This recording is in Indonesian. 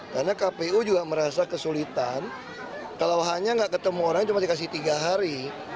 karena kpu juga merasa kesulitan kalau hanya gak ketemu orang cuma dikasih tiga hari